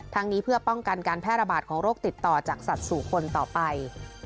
ทั้งนี้เพื่อป้องกันการแพร่ระบาดของโรคติดต่อจากสัตว์สู่คนต่อไป